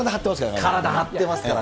体張ってますからね。